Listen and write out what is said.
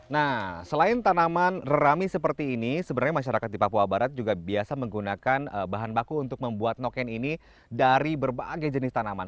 nah selain tanaman rami seperti ini sebenarnya masyarakat di papua barat juga biasa menggunakan bahan baku untuk membuat noken ini dari berbagai jenis tanaman